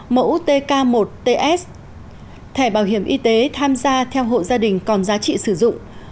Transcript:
mẫu tk một ts thẻ bảo hiểm y tế tham gia theo hộ gia đình còn giá trị sử dụng